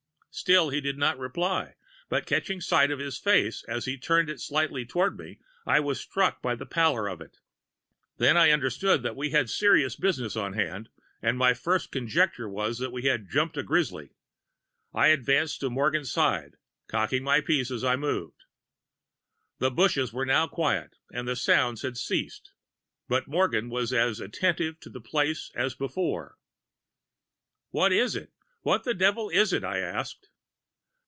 "Still he did not reply; but, catching a sight of his face as he turned it slightly toward me, I was struck by the pallor of it. Then I understood that we had serious business on hand, and my first conjecture was that we had 'jumped' a grizzly. I advanced to Morgan's side, cocking my piece as I moved. "The bushes were now quiet, and the sounds had ceased, but Morgan was as attentive to the place as before. "'What is it? What the devil is it?' I asked.